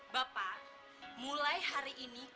bapak mulai hari ini